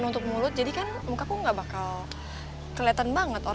alhamdulillah kabar aku baik kok om